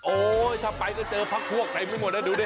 โอ้ถ้าไปก็เจอพักพวกใดไม่หมดนะดูดิ